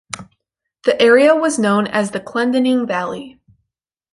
The area was known as the Clendening Valley.